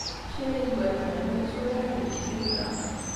Kra n yigerdan la tturaren deg tuga.